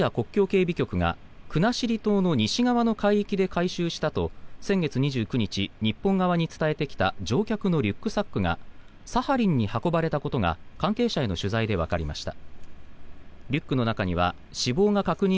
またロシア国境警備局が国後島の西側の海域で回収したと先月２９日、日本側に伝えてきた乗客のリュックサックがサハリンに運ばれたことが関係者の取材でわかりました。